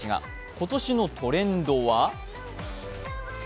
今年のトレンドは？